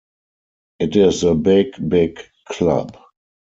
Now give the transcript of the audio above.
It is a big, big club.